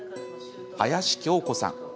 林恭子さん。